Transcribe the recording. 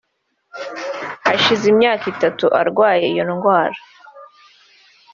Hashize imyaka itatu arwaye iyo ndwara